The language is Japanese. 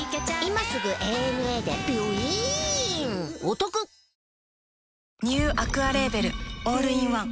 また来週ニューアクアレーベルオールインワン